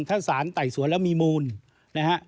ถ้าสารไต่สวนแล้วมีมูลนะฮะ